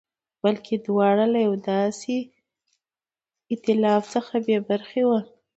بلکې دواړه له یوه داسې اېتلاف څخه بې برخې وو.